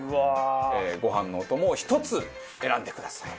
ご飯のお供を１つ選んでください。